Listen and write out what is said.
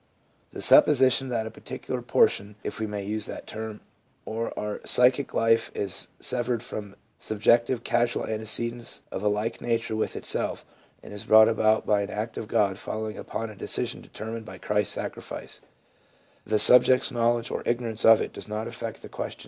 The supposition that a particular portion — if we may use that term — of our psychic life is severed from subjective causal antecedents of a like nature with itself, and is brought about by an act of God following upon a decision determined by Christ's sacrifice — the sub ject's knowledge or ignorance of it does not affect the ques PSYCHOLOGY OF RELIGIOUS PHENOMENA.